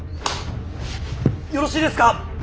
よろしいですか。